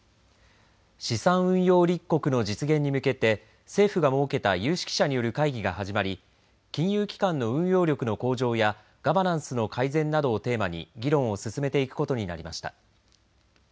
資産運用立国の実現に向けて政府が設けた有識者による会議が始まり金融機関の運用力の向上やガバナンスの改善などをテーマに議論を進めていくことになりました。